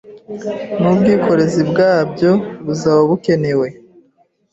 n'ubwikorezi bwabyo buzaba bukenewe